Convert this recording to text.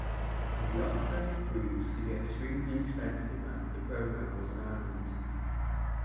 The upgrade proved to be extremely expensive, and the program was abandoned.